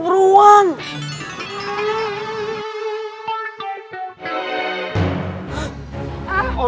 oh tuhan ambo